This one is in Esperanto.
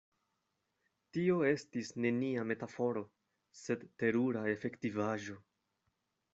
Tio estis nenia metaforo, sed terura efektivaĵo.